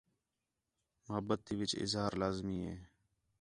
محبت تی وِچ اظہار لازمی ہے